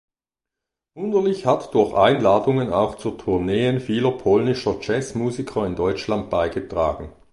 Wunderlich hat durch Einladungen auch zu Tourneen vieler polnischer Jazzmusiker in Deutschland beigetragen.